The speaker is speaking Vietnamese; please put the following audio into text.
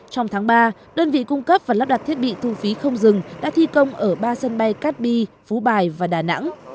trong tháng ba đơn vị cung cấp và lắp đặt thiết bị thu phí không dừng đã thi công ở ba sân bay cát bi phú bài và đà nẵng